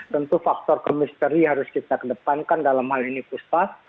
tentu faktor ke misteri harus kita kedepankan dalam hal ini pusat